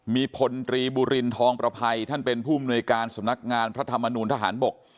มีพลตรีบุรินทองประภัยท่านเป็นผู้มนุยการสำนักงานพระธรรมนูลทหารบก